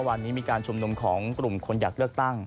วันนี้มีการชุมนุมของกลุ่มคนอยากเลือกตั้ง